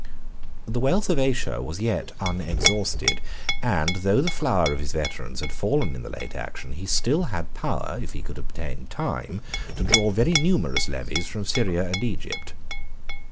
The wealth of Asia was yet unexhausted; and though the flower of his veterans had fallen in the late action, he had still power, if he could obtain time, to draw very numerous levies from Syria and Egypt.